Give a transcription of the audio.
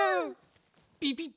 ピピッ！